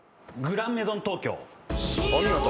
『グランメゾン東京』お見事。